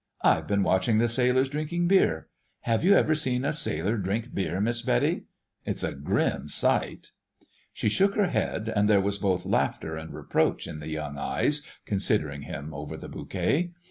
I've been watching the sailors drinking beer. Have you ever seen a sailor drink beer, Miss Betty? It's a grim sight." She shook her head, and there was both laughter and reproach in the young eyes considering him over the bouquet.